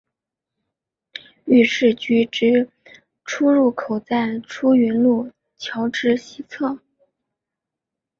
御土居之出入口在出云路桥之西侧。